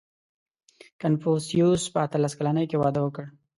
• کنفوسیوس په اتلس کلنۍ کې واده وکړ.